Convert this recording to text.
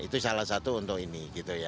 itu salah satu untuk ini